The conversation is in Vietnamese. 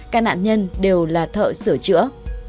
các nạn nhân đều là thợ sửa chữa